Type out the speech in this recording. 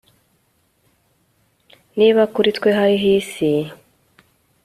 Niba kuri twe hariho isi